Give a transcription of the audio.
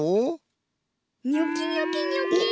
ニョキニョキニョキッ！